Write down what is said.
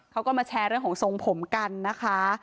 เขาก็มาแชร์เรื่องของทรงผมกันนะคะ